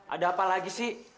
ada apa lagi sih